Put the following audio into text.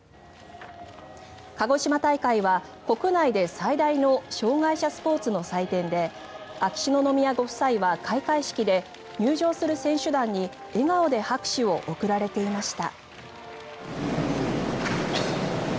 かごしま大会は国内で最大の障害者スポーツの祭典で秋篠宮ご夫妻は開会式で入場する選手団に笑顔で拍手を送られていました。